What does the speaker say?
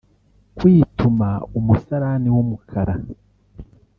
kwituma umusarani w’umukara